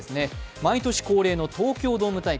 毎年恒例の東京ドーム大会。